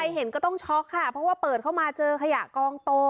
เห็นก็ต้องช็อกค่ะเพราะว่าเปิดเข้ามาเจอขยะกองโต